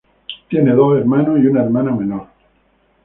Tiene dos hermanos, y una hermana menor.